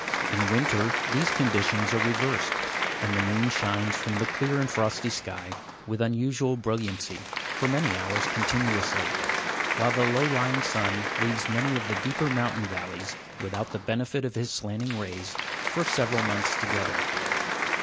In winter, these conditions are reversed, and the moon shines from the clear and frosty sky with unusual brilliancy, for many hours continuously, while the low lying sun leaves many of the deeper mountain valleys without the benefit of his slanting rays for several months together.